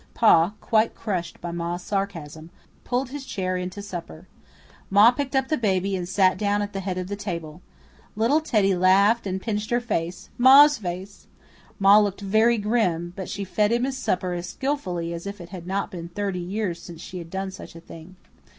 Pa, quite crushed by Ma's sarcasm, pulled his chair in to supper. Ma picked up the baby and sat down at the head of the table. Little Teddy laughed and pinched her face Ma's face! Ma looked very grim, but she fed him his supper as skilfully as if it had not been thirty years since she had done such a thing.